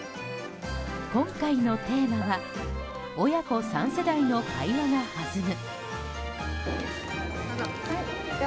今回のテーマは「親子三世代の会話が弾む」。